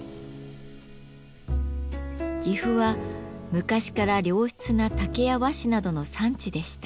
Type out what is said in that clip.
岐阜は昔から良質な竹や和紙などの産地でした。